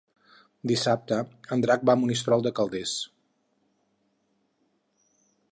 Dissabte en Drac va a Monistrol de Calders.